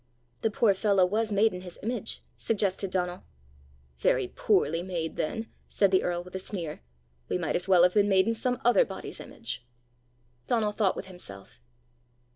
"The poor fellow was made in his image!" suggested Donal. "Very poorly made then!" said the earl with a sneer. "We might as well have been made in some other body's image!" Donal thought with himself.